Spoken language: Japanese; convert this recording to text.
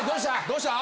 どうした？